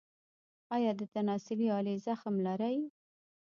ایا د تناسلي آلې زخم لرئ؟